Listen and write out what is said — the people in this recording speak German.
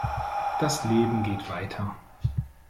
Das Leben geht weiter.